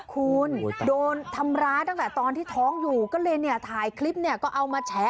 คุณโดนทำร้ายตั้งแต่ตอนที่ท้องอยู่ก็เลยเนี่ยถ่ายคลิปเนี่ยก็เอามาแฉะ